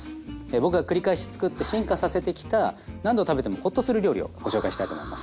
僕が繰り返しつくって進化させてきた何度食べてもほっとする料理をご紹介したいと思います。